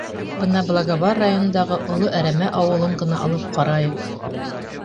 Бына Благовар районындағы Оло Әрәмә ауылын ғына алып ҡарайыҡ.